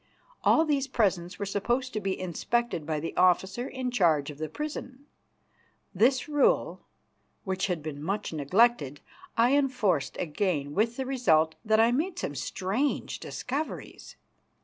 All these presents were supposed to be inspected by the officer in charge of the prison. This rule, which had been much neglected, I enforced again, with the result that I made some strange discoveries.